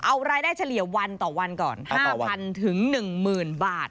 เอารายได้เฉลี่ยวันต่อวันก่อน๕๐๐ถึง๑๐๐๐บาท